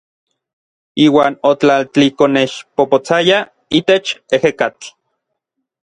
Iuan otlaltlikonexpopotsayaj itech ejekatl.